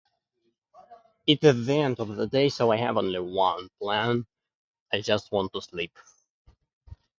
It is end of the day so I have only one plan: I just want to sleep.